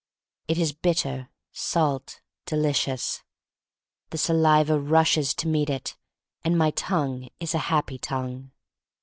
It is bitter, salt, delicious. The saliva rushes to meet it, and my tongue is a happy tongue.